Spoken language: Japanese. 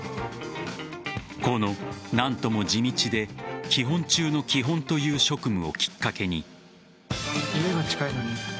この何とも地道で基本中の基本という職務をきっかけに。